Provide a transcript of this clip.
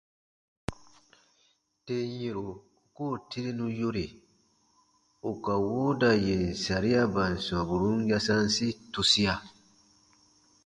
Tem yɛ̃ro u koo tirenu yore ù ka wooda yèn sariaban sɔmburun yasansi tusia.